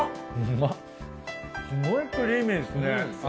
すごいクリーミーですね。